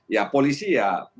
ya polisi ya begitulah